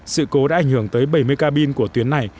sự cố đã ảnh hưởng tới bảy mươi cabin của tuyến này